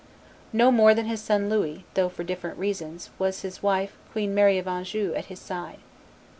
No more than his son Louis, though for different reasons, was his wife, Queen Mary of Anjou, at his side.